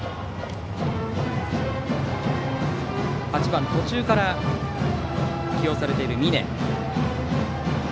８番、途中から起用されている峯。